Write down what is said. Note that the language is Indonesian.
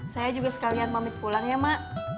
saya juga sekalian pamit pulang ya ma